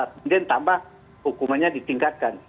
kemudian tambah hukumannya ditingkatkan